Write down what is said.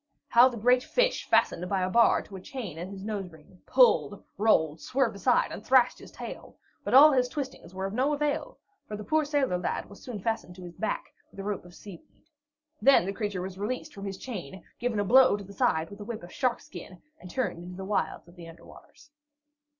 How the great fish, fastened to a bar by a chain and his nose ring, pulled, rolled, swerved aside, and thrashed his tail! But all his twistings were of no avail, for the poor sailor lad was soon fastened to his back with a rope of seaweed. Then the creature was released from his chain, given a blow on the side with a whip of shark skin, and turned into the wilds of the under waters.